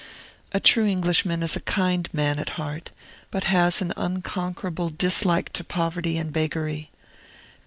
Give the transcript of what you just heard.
A true Englishman is a kind man at heart, but has an unconquerable dislike to poverty and beggary.